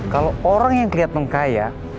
kalau orang yang keliat mengkaya